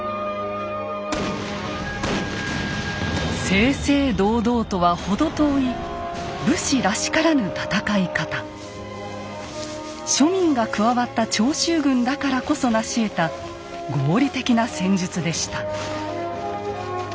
正々堂々とは程遠い庶民が加わった長州軍だからこそなしえた合理的な戦術でした。